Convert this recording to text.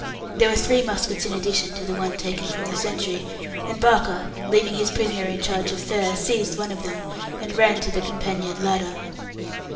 There were three muskets in addition to the one taken from the sentry, and Barker, leaving his prisoner in charge of Fair, seized one of them, and ran to the companion ladder.